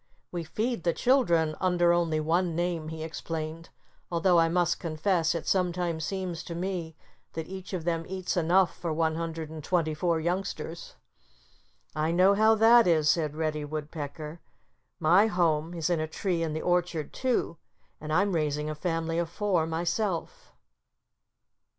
"We feed the children under only one name," he explained, "although I must confess it sometimes seems to me that each of them eats enough for one hundred and twenty four youngsters." "I know how that is," said Reddy Woodpecker. "My home is in a tree in the orchard, too. And I'm raising a family of four myself."